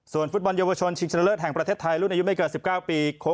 ฟุตบอลเยาวชนชิงชนะเลิศแห่งประเทศไทยรุ่นอายุไม่เกิน๑๙ปี